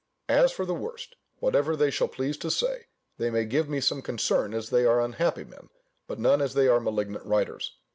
As for the worst, whatever they shall please to say, they may give me some concern as they are unhappy men, but none as they are malignant writers.